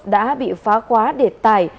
đã bị phá khóa để tài